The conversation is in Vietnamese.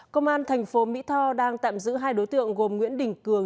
công an thành phố mỹ tho đang tạm giữ hai đối tượng gồm nguyễn đình cường